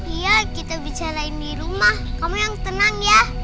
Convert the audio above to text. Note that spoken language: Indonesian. iya kita bicarain di rumah kamu yang tenang ya